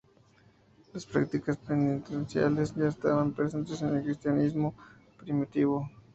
Las prácticas penitenciales ya estaban presentes en el cristianismo primitivo.